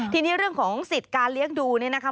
ทีนี้เรื่องของสิทธิ์การเลี้ยงดูเนี่ยนะคะ